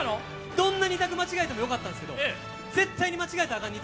どんなに間違えてもよかったんですけど絶対に間違えちゃ行けない